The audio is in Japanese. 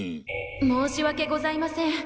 申し訳ございません。